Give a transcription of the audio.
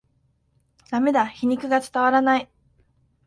ダメだ、皮肉が伝わらない